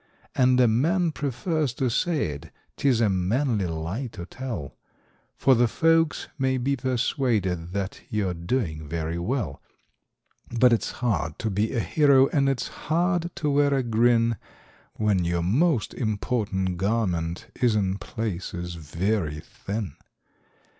And a man prefers to say it 'tis a manly lie to tell, For the folks may be persuaded that you're doing very well ; But it's hard to be a hero, and it's hard to wear a grin, When your most important garment is in places very thin.